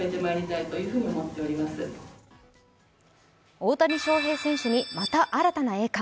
大谷翔平選手にまた新たな栄冠。